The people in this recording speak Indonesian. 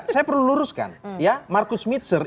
saya perlu luruskan ya markus mietzer